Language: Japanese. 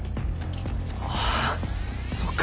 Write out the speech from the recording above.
ああそっか。